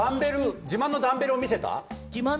自慢のダンベルを見せた？